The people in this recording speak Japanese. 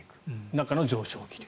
中の上昇気流。